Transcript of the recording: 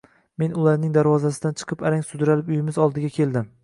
Men ularning darvozasidan chiqib, arang sudralib uyimiz oldiga keldim